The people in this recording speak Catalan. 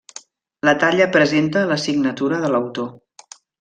La talla presenta la signatura de l'autor.